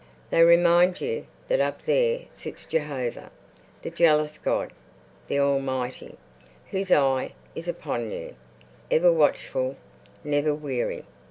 They remind you that up there sits Jehovah, the jealous God, the Almighty, Whose eye is upon you, ever watchful, never weary.